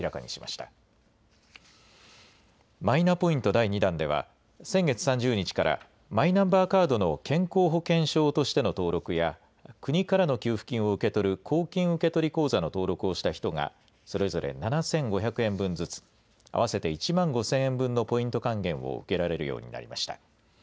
第２弾では、先月３０日から、マイナンバーカードの健康保険証としての登録や、国からの給付金を受け取る公金受取口座の登録をした人が、それぞれ７５００円分ずつ、合わせて１万５０００円分のポイント還元を受けられるようになりました。